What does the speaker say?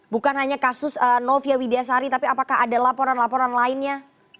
bukan hanya kasus novia widyasari tapi apakah ada laporan laporan lainnya